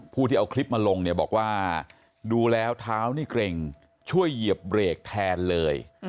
ที่เอาคลิปมาลงเนี่ยบอกว่าดูแล้วเท้านี่เกร็งช่วยเหยียบเบรกแทนเลย